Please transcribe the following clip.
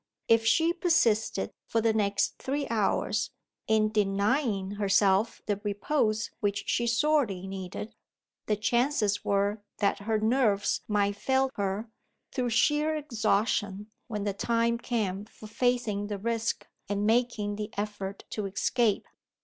If she persisted, for the next three hours, in denying herself the repose which she sorely needed, the chances were that her nerves might fail her, through sheer exhaustion, when the time came for facing the risk and making the effort to escape.